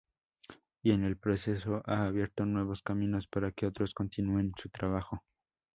Y en el proceso ha abierto nuevos caminos para que otros continúen su trabajo.